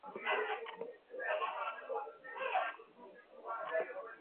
Kiwango cha maambukizi ya ndigana kali katika mifugo hutegemea wingi wa uzalishaji wa vimelea